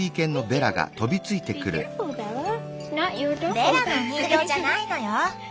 ベラのお人形じゃないのよ。